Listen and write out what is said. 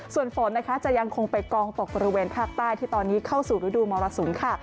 ส่วนฝนนะคะจะยังคงไปกองตกบริเวณภาคใต้ที่ตอนนี้เข้าสู่ฤดูมรสุมค่ะ